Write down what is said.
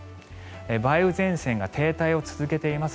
梅雨前線が停滞を続けています。